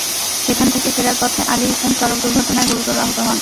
সেখান থেকে ফেরার পথে আলী হোসেন সড়ক দুর্ঘটনায় গুরুতর আহত হন।